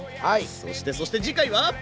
そしてそして次回は？